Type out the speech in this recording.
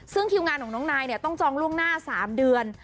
ซึ่งคิวงานของน้องนายต้องจองล่วงหน้า๓เดือน